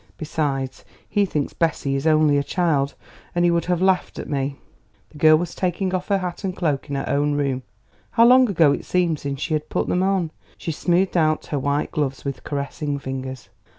Besides, he thinks Bessie is only a child, and he would have laughed at me." The girl was taking off her hat and cloak in her own room. How long ago it seemed since she had put them on. She smoothed out her white gloves with caressing fingers.